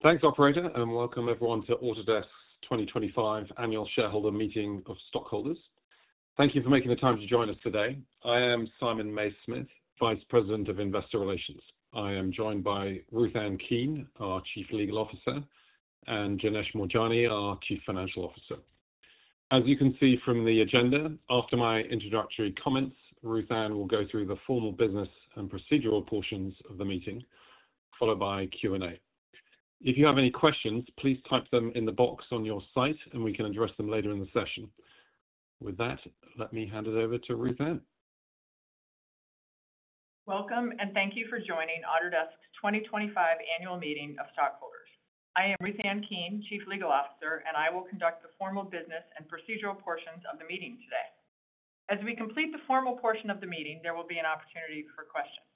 Thanks, Operator, and welcome everyone to Autodesk's 2025 Annual Shareholder Meeting of Stockholders. Thank you for making the time to join us today. I am Simon Mays-Smith, Vice President of Investor Relations. I am joined by Ruth Ann. Keene, our Chief Legal Officer, and Janesh Moorjani, our Chief Financial Officer. As you can see from the agenda, after my introductory comments, Ruth Ann will go through the formal business and procedural portions of the meeting, followed by Q&A. If you have any questions, please type them in the box on your site, and we can address them later in the session. With that, let me hand it over to Ruth Ann. Welcome, and thank you for joining Autodesk's 2025 Annual Meeting of Stockholders. I am Ruth Ann Keene, Chief Legal Officer, and I will conduct the formal business and procedural portions of the meeting today. As we complete the formal portion of the meeting, there will be an opportunity for questions.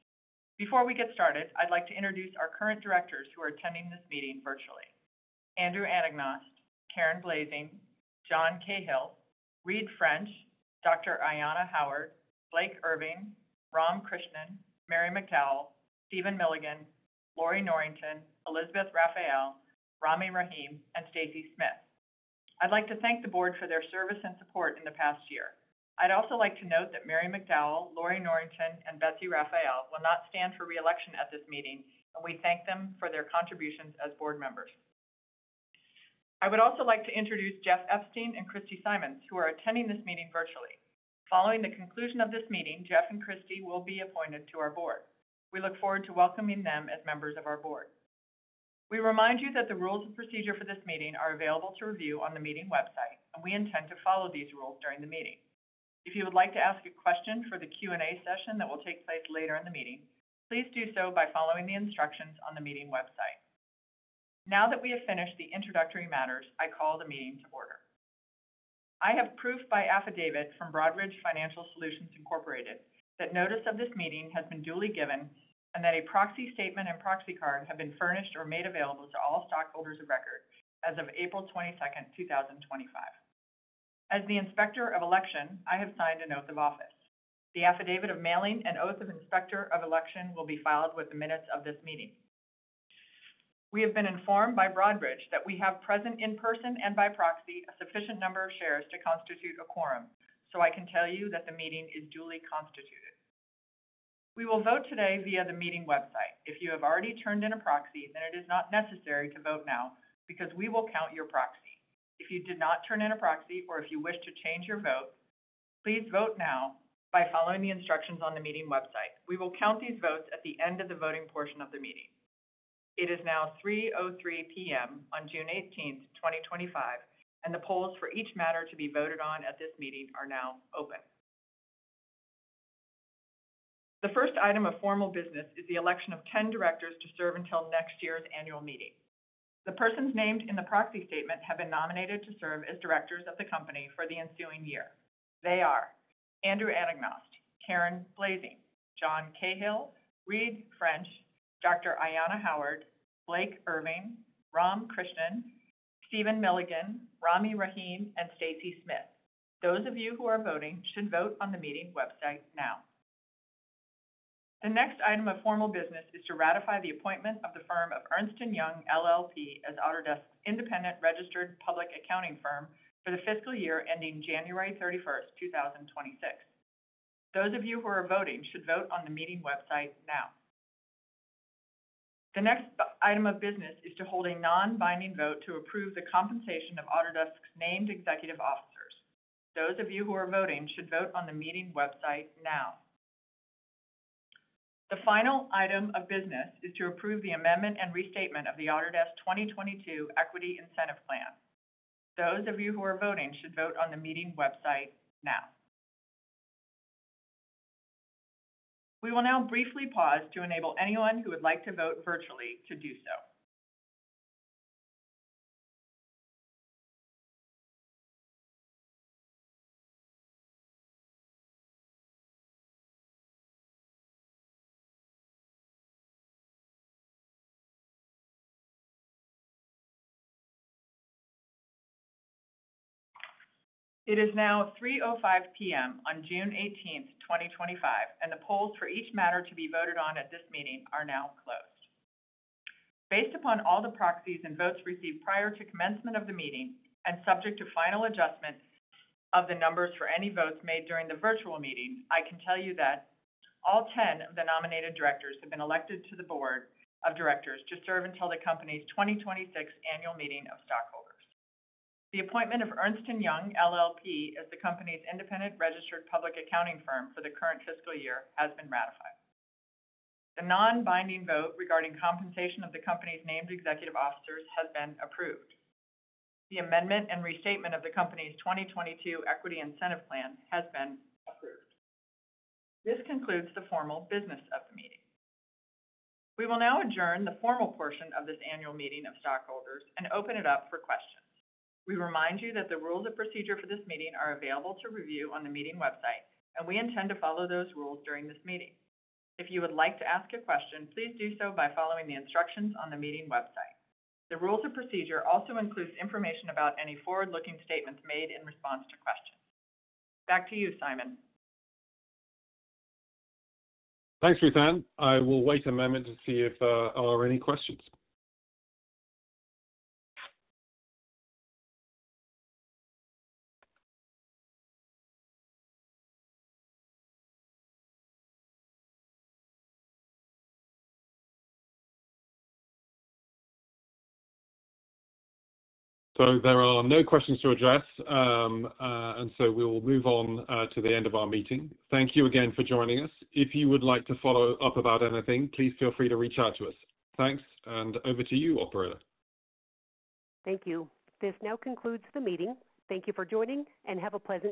Before we get started, I'd like to introduce our current directors who are attending this meeting virtually: Andrew Anagnost, Karen Blazing, John Cahill, Reid French, Dr. Ayanna Howard, Blake Irving, Ram Krishnan, Mary McDowell, Stephen Milligan, Laurie Norrington, Elizabeth Rafael, Rami Rahim, and Stacy Smith. I'd like to thank the board for their service and support in the past year. I'd also like to note that Mary McDowell, Lorrie Norrington, and Betsy Rafael will not stand for reelection at this meeting, and we thank them for their contributions as board members. I would also like to introduce Jeff Epstein and Christie Simons, who are attending this meeting virtually. Following the conclusion of this meeting, Jeff and Christie will be appointed to our board. We look forward to welcoming them as members of our board. We remind you that the rules and procedure for this meeting are available to review on the meeting website, and we intend to follow these rules during the meeting. If you would like to ask a question for the Q&A session that will take place later in the meeting, please do so by following the instructions on the meeting website. Now that we have finished the introductory matters, I call the meeting to order. I have proof by affidavit from Broadridge Financial Solutions, Incorporated, that notice of this meeting has been duly given and that a proxy statement and proxy card have been furnished or made available to all stockholders of record as of April 22, 2025. As the Inspector of Election, I have signed a note of office. The affidavit of mailing and oath of Inspector of Election will be filed with the minutes of this meeting. We have been informed by Broadridge that we have present in person and by proxy a sufficient number of shares to constitute a quorum, so I can tell you that the meeting is duly constituted. We will vote today via the meeting website. If you have already turned in a proxy, then it is not necessary to vote now because we will count your proxy. If you did not turn in a proxy or if you wish to change your vote, please vote now by following the instructions on the meeting website. We will count these votes at the end of the voting portion of the meeting. It is now 3:03 P.M. on June 18, 2025, and the polls for each matter to be voted on at this meeting are now open. The first item of formal business is the election of 10 directors to serve until next year's annual meeting. The persons named in the proxy statement have been nominated to serve as directors of the company for the ensuing year. They are Andrew Anagnost, Karen Blazing, John Cahill, Reid French, Dr. Ayanna Howard, Blake Irving, Ram Krishnan, Stephen Milligan, Rami Rahim, and Stacy Smith. Those of you who are voting should vote on the meeting website now. The next item of formal business is to ratify the appointment of the firm of Ernst & Young, LLP, as Autodesk's independent registered public accounting firm for the fiscal year ending January 31, 2026. Those of you who are voting should vote on the meeting website now. The next item of business is to hold a non-binding vote to approve the compensation of Autodesk's named executive officers. Those of you who are voting should vote on the meeting website now. The final item of business is to approve the amendment and restatement of the Autodesk 2022 Equity Incentive Plan. Those of you who are voting should vote on the meeting website now. We will now briefly pause to enable anyone who would like to vote virtually to do so. It is now 3:05 P.M. On June 18, 2025, and the polls for each matter to be voted on at this meeting are now closed. Based upon all the proxies and votes received prior to commencement of the meeting and subject to final adjustment of the numbers for any votes made during the virtual meeting, I can tell you that all 10 of the nominated directors have been elected to the board of directors to serve until the company's 2026 annual meeting of stockholders. The appointment of Ernst & Young, LLP, as the company's independent registered public accounting firm for the current fiscal year has been ratified. The non-binding vote regarding compensation of the company's named executive officers has been approved. The amendment and restatement of the company's 2022 Equity Incentive Plan has been approved. This concludes the formal business of the meeting. We will now adjourn the formal portion of this annual meeting of stockholders and open it up for questions. We remind you that the rules of procedure for this meeting are available to review on the meeting website, and we intend to follow those rules during this meeting. If you would like to ask a question, please do so by following the instructions on the meeting website. The rules of procedure also include information about any forward-looking statements made in response to questions. Back to you, Simon. Thanks, Ruth Ann. I will wait a moment to see if there are any questions. There are no questions to address, and we will move on to the end of our meeting. Thank you again for joining us. If you would like to follow up about anything, please feel free to reach out to us. Thanks, and over to you, Operator. Thank you. This now concludes the meeting. Thank you for joining, and have a pleasant day.